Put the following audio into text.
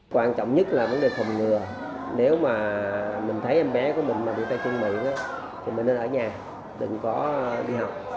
quan trọng nhất là vấn đề phòng ngừa nếu mà mình thấy em bé của mình mà bị tay chân miệng thì mình nên ở nhà định có đi học